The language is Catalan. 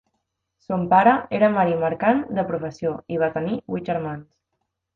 Son pare era marí mercant de professió i va tenir vuit germans.